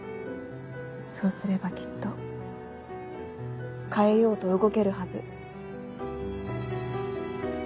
そうすればきっと変えようと動けるはず。